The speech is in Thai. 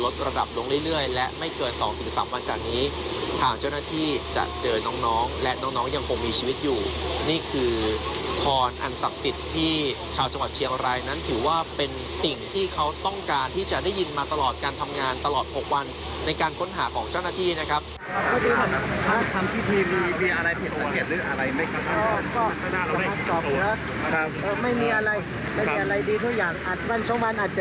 อยู่นี่คือพรอันศักดิ์สิทธิ์ที่ชาวจังหวัดเชียงรายนั้นถือว่าเป็นสิ่งที่เขาต้องการที่จะได้ยินมาตลอดการทำงานตลอดหกวันในการค้นหาของเจ้าหน้าที่นะครับ